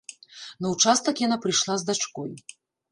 На ўчастак яна прыйшла з дачкой.